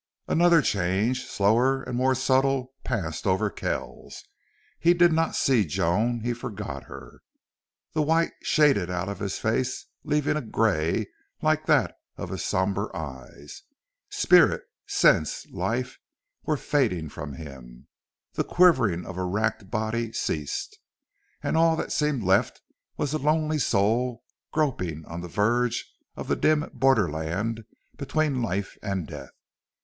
Another change, slower and more subtle, passed over Kells. He did not see Joan. He forgot her. The white shaded out of his face, leaving a gray like that of his somber eyes. Spirit, sense, life, were fading from him. The quivering of a racked body ceased. And all that seemed left was a lonely soul groping on the verge of the dim borderland between life and death.